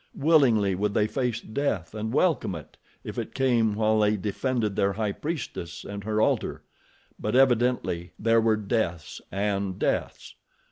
Willingly would they face death and welcome it if it came while they defended their High Priestess and her altar; but evidently there were deaths, and deaths.